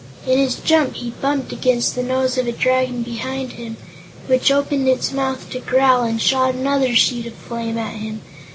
In his jump he bumped against the nose of a Dragon behind him, which opened its mouth to growl and shot another sheet of flame at him.